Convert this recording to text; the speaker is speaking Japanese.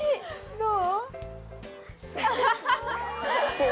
どう？